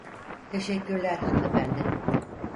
Teşekkürler hanımefendi.